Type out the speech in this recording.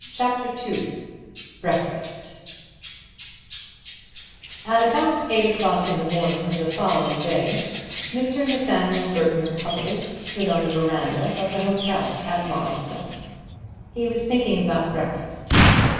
CHAPTER II BREAKFAST At about eight o'clock in the morning of the following day Mr. Nathaniel Burton Cupples stood on the veranda of the hotel at Marlstone. He was thinking about breakfast.